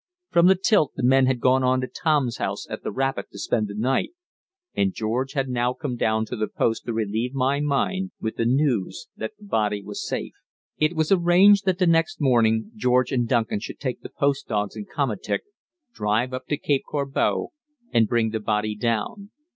From the tilt the men had gone on to Tom's house at the rapid to spend the night, and George had now come down to the post to relieve my mind with the news that the body was safe. It was arranged that the next morning George and Duncan should take the post dogs and komatik, drive up to Cape Corbeau and bring the body down.